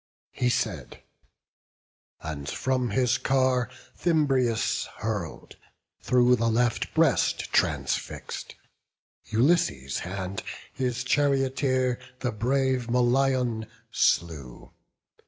He said, and from his car Thymbraeus hurl'd, Through the left breast transfix'd: Ulysses' hand His charioteer, the brave Molion, slew.